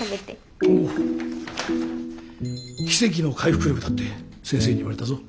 奇跡の回復力だって先生に言われたぞ。